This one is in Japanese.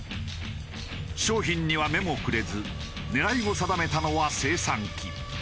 商品には目もくれず狙いを定めたのは精算機。